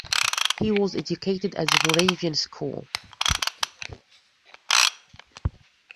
He was educated at the Moravian School.